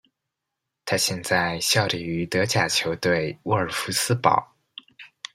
他现在效力于德甲球队沃尔夫斯堡。